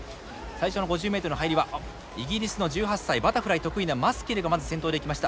最初の５０ｍの入りはイギリスの１８歳バタフライ得意なマスキルがまず先頭で行きました。